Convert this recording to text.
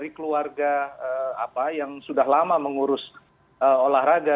keluarga yang sudah lama mengurus olahraga